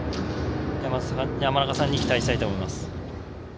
山中さんに期待したいと思います。